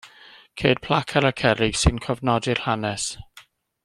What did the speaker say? Ceir plac ar y cerrig sy'n cofnodi'r hanes.